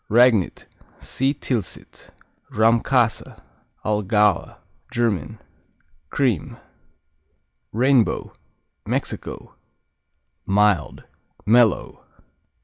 Ragnit see Tilsit. Rahmkäse, Allgäuer German Cream. Rainbow Mexico Mild; mellow.